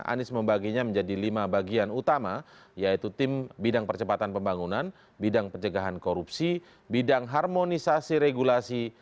anies membaginya menjadi lima bagian utama yaitu tim bidang percepatan pembangunan bidang pencegahan korupsi bidang harmonisasi regulasi